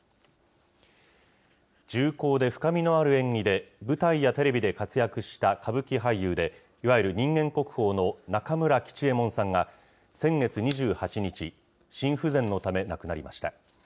重厚で深みのある演技で舞台やテレビで活躍した歌舞伎俳優で、いわゆる人間国宝の中村吉右衛門さんが、先月２８日、心不全のため亡くなりました。